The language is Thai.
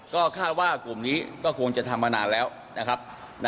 ก็คาดว่ากลุ่มนี้ก็คงจะทำมานานแล้วนะครับ